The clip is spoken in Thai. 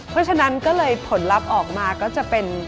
เพราะฉะนั้นก็เลยผลลัพธ์ออกมาก็จะเป็น